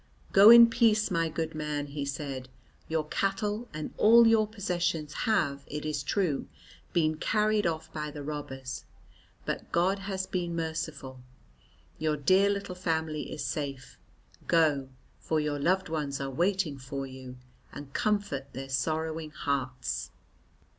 "Go in peace, my good man," he said, "your cattle and all your possessions have, it is true, been carried off by the robbers; but God has been merciful. Your dear little family is safe; go, for your loved ones are waiting for you, and comfort their sorrowing hearts."